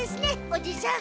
おじさん